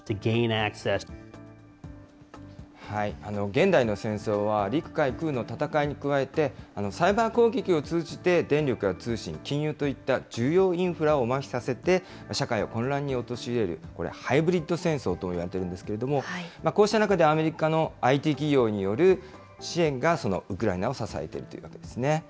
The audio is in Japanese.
現代の戦争は、陸海空の戦いに加えて、サイバー攻撃を通じて、電力や通信、金融といった重要インフラをまひさせて、社会を混乱におとしいれる、これ、ハイブリッド戦争といわれているんですけれども、こうした中で、アメリカのＩＴ企業による支援がそのウクライナの支えているというわけですね。